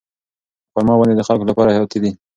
خورما ونې د خلکو لپاره حیاتي دي.